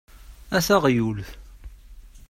A taɣyult!